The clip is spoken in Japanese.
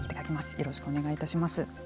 よろしくお願いします。